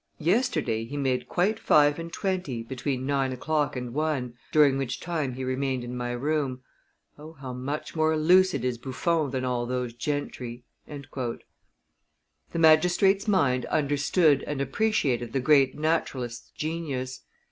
Yesterday he made quite five and twenty between nine o'clock and one, during which time he remained in my room. O, how much more lucid is Buffon than all those gentry!" The magistrate's mind understood and appreciated the great naturalist's genius.